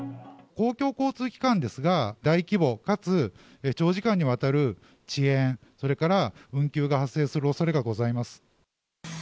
公共交通機関ですが、大規模かつ長時間にわたる遅延、それから運休が発生するおそれがございます。